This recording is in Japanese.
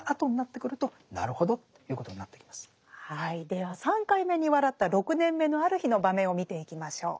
では３回目に笑った６年目のある日の場面を見ていきましょう。